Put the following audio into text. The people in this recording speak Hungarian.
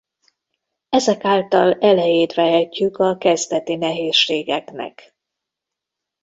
Ezek által elejét vehetjük a kezdeti nehézségeknek.